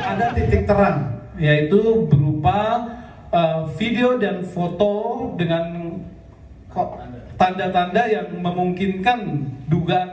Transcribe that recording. ada titik terang yaitu berupa video dan foto dengan tanda tanda yang memungkinkan dugaan